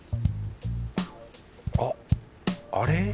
あっあれ？